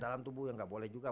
dalam tubuh ya gak boleh juga